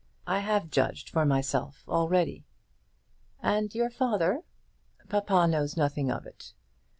I have judged for myself already." "And your father?" "Papa knows nothing of it."